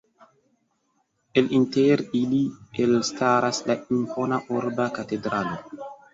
El inter ili elstaras la impona urba katedralo.